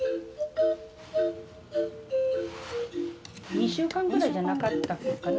２週間ぐらいじゃなかったかな。